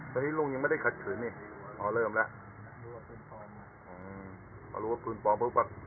ตอนนี้ลุงยังไม่ได้ขัดถืนนี่อ๋อเริ่มแล้วอ๋อรู้ว่าพื้นปลอม